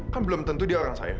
kan belum tentu dia orang saya